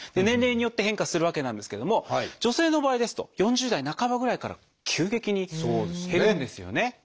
年齢によって変化するわけなんですけれども女性の場合ですと４０代半ばぐらいから急激に減るんですよね。